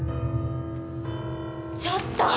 ちょっと！